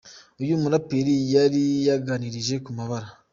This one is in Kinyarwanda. Uyu muraperi yari yajyanishije ku mabara.